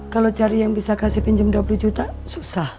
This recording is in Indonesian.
kalau cari yang bisa kasih pinjam dua puluh juta susah